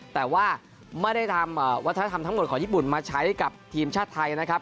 แต่ว่าไม่ได้ทำวัฒนธรรมทั้งหมดของญี่ปุ่นมาใช้กับทีมชาติไทยนะครับ